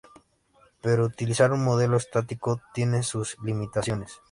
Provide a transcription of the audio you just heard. Pero utilizar un modelo estático tiene sus limitaciones.